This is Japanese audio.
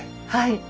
はい。